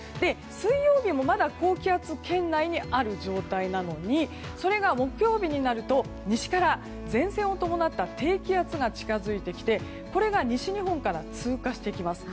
水曜日もまだ高気圧圏内にある状態なのにそれが木曜日になると西から前線を伴った低気圧が近づいてきて、これが西日本から通過していきます。